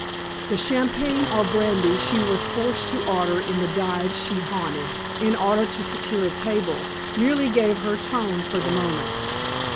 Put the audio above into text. The champagne or brandy she was forced to order in the dives she haunted, in order to secure a table, merely gave her tone for the moment.